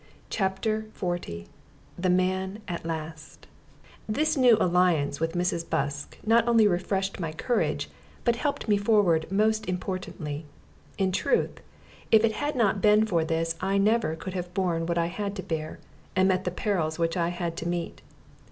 CHAPTER XL THE MAN AT LAST This new alliance with Mrs. Busk not only refreshed my courage, but helped me forward most importantly. In truth, if it had not been for this I never could have borne what I had to bear, and met the perils which I had to meet.